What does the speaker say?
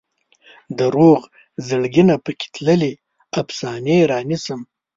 د روغ زړګي نه پکې تللې افسانې رانیسم